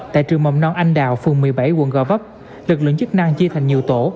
tại trường mầm non anh đào phường một mươi bảy quận gò vấp lực lượng chức năng chia thành nhiều tổ